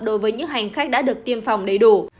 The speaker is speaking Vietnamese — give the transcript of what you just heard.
đối với những hành khách đã được tiêm phòng đầy đủ